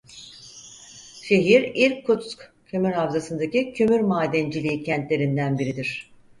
Şehir İrkutsk kömür havzasındaki kömür madenciliği kentlerinden biridir.